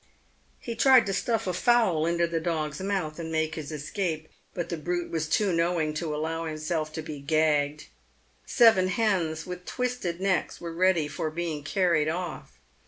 He tried to stuff a fowl into the dog's mouth and make his escape, but the brute was too knowing to allow itself to be gagged. Seven hens, with twisted necks, were ready for being carried off.